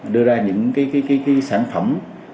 đưa ra những sản phẩm